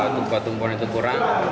tumpuan tumpuan itu kurang